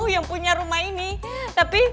yang punya rumah ini tapi